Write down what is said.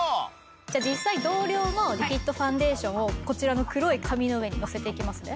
じゃあ実際同量のリキッドファンデーションをこちらの黒い紙の上にのせていきますね。